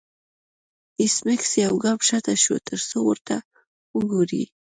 ایس میکس یو ګام شاته شو ترڅو ورته وګوري